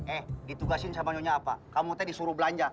eh ditugasin sama nyonya apa kamu tadi disuruh belanja